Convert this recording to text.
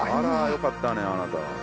よかったねあなた。